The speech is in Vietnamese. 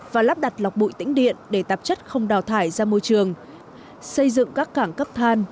và lắp đặt lọc bụi tĩnh điện để tạp chất không đào thải ra môi trường xây dựng các cảng cấp than